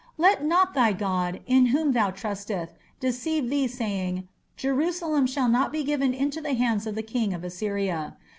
Let not thy God, in whom thou trustest, deceive thee saying, Jerusalem shall not be given into the hand of the king of Assyria.